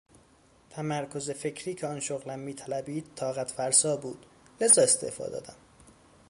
تمرکز فکری که آن شغل میطلبید طاقتفرسا بود لذا استعفا دادم.